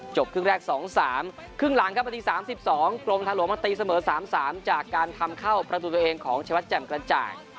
ครึ่งแรก๒๓ครึ่งหลังครับนาที๓๒กรมทางหลวงมาตีเสมอ๓๓จากการทำเข้าประตูตัวเองของชวัดแจ่มกระจ่าง